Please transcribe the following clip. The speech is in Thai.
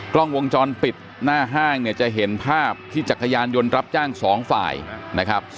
กล้องวงจรปิดหน้าห้างเนี่ยจะเห็นภาพที่จักรยานยนต์รับจ้างสองฝ่ายนะครับ